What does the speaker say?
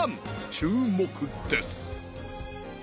注目です！